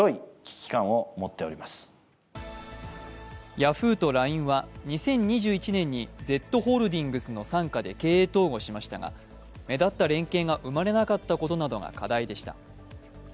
ヤフーとＬＩＮＥは２０２１年にＺホールディングスの傘下で経営統合しましたが、目立った連携が生まれなかったことなどが課題でした。